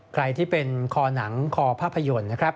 ใครที่เป็นคอหนังคอภาพยนตร์นะครับ